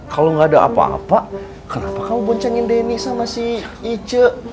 kalau gak ada apa apa kenapa kamu boncengin denny sama si ice